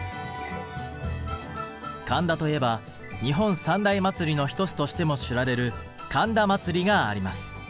神田といえば日本三大祭りの一つとしても知られる神田祭があります。